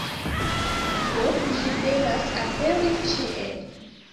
Do, ĝi devas aperi ĉie